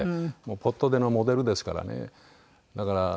ポッと出のモデルですからね。